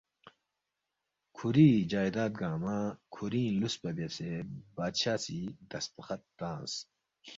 کُھوری جائداد گنگمہ کُھورِنگ لُوسپا بیاسے بادشاہ سی دستخط تنگس